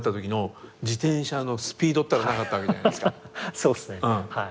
そうっすねはい。